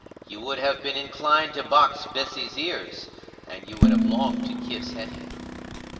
You would have been inclined to box Bessy's ears, and you would have longed to kiss Hetty.